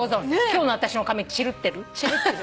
今日の私の髪チルってる？